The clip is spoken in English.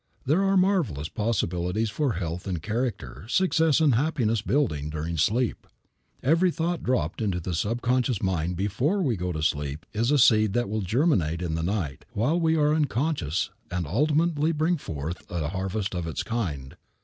There are marvelous possibilities for health and character, success and happiness building, during sleep. Every thought dropped into the subconscious mind before we go to sleep is a seed that will germinate in the night while we are unconscious and ultimately bring forth a harvest of its kind.